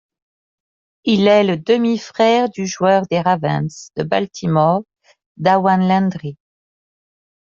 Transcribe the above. Il est le demi-frère du joueur des Ravens de Baltimore Dawan Landry.